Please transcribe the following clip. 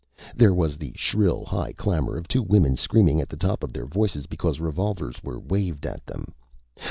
There was the shrill high clamor of two women screaming at the tops of their voices because revolvers were waved at them.